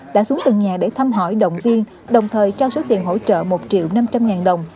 đã xuống từng nhà để thăm hỏi động viên đồng thời trao số tiền hỗ trợ một triệu năm trăm linh ngàn đồng